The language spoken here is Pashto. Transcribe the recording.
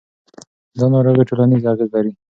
دا ناروغي ټولنیز اغېز لري.